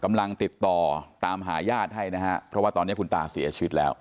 กำลังติดต่อตามหาญาติให้นะฮะเพราะว่าตอนนี้คุณตาเสียชีวิตแล้ว